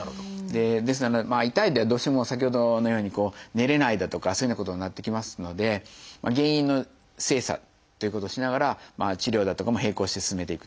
ですのでまあ痛いとどうしても先ほどのように寝れないだとかそういうようなことになってきますので原因の精査ということをしながら治療だとかも並行して進めていくと。